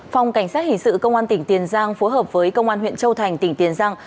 phòng cảnh sát hình sự công an tỉnh tiền giang phối hợp với công an huyện châu thành tỉnh tiền giang